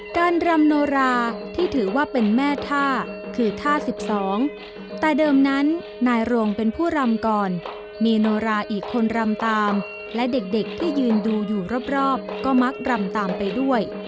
รำโนราที่ถือว่าเป็นแม่ท่าคือท่า๑๒แต่เดิมนั้นนายโรงเป็นผู้รำก่อนมีโนราอีกคนรำตามและเด็กที่ยืนดูอยู่รอบก็มักรำตามไปด้วย